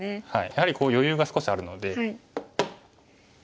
やはり余裕が少しあるので。